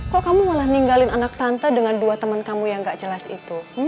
kok kamu malah ninggalin anak tante dengan dua teman kamu yang gak jelas itu